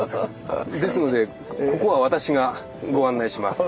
ですのでここは私がご案内します。